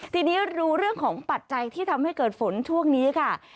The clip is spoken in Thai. ทีนี้รู้เรื่องของปัจจัยที่ทำให้เกิดฝนช่วงนี้ค่ะ